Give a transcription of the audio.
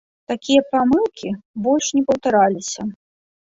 Такія памылкі больш не паўтараліся.